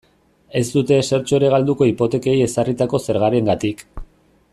Ez dute ezertxo ere galduko hipotekei ezarritako zergarengatik.